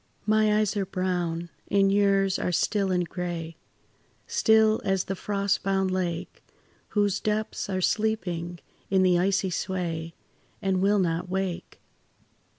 My eyes are brown, and yours are still and grey, Still as the frostbound lake Whose depths are sleeping in the icy sway, And will not wake.